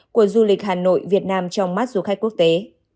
của du lịch hà nội việt nam trong mắt du khách quốc tế